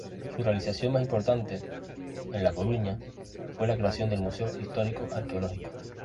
Su realización más importante en La Coruña fue la creación del Museo Histórico-Arqueológico.